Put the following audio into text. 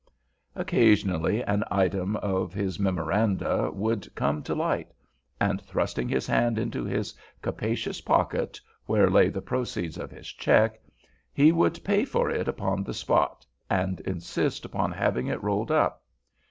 Occasionally an item of his memoranda would come to light, and thrusting his hand into his capacious pocket, where lay the proceeds of his check, he would pay for it upon the spot, and insist upon having it rolled up.